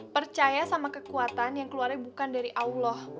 percaya sama kekuatan yang keluarnya bukan dari allah